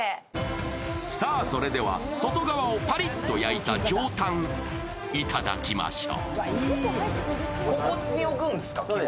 それでは外側をパリッと焼いた上タン、頂きましょう。